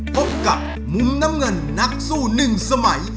พบกับมุมน้ำเงินนักสู้หนึ่งสมัย